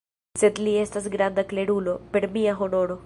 Sed li estas granda klerulo, per mia honoro!